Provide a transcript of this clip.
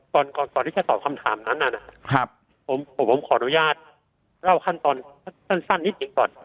ก่อนที่จะตอบคำถามนั้นนะครับผมผมขออนุญาตเล่าขั้นตอนสั้นนิดหนึ่งก่อน